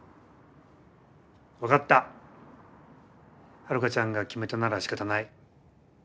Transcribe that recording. ハルカちゃんが決めたならしかたない。